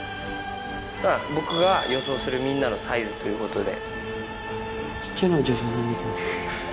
僕が予想するみんなのサイズということで。